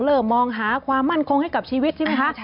เริ่มมองหาความมั่นคงให้กับชีวิตใช่ไหมคะ